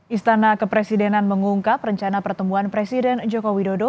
istana kepresidenan mengungkap rencana pertemuan presiden joko widodo